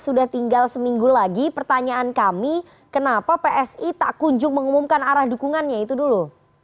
sudah tinggal seminggu lagi pertanyaan kami kenapa psi tak kunjung mengumumkan arah dukungannya itu dulu